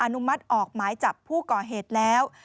อนุมัติออกหมายจับผู้ก่อเหตุแล้ว